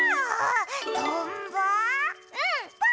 うん！